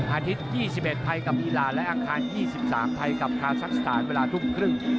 อาทิตย์๒๑ไทยกับอีรานและอังคาร๒๓ไทยกับคาซักสถานเวลาทุ่มครึ่ง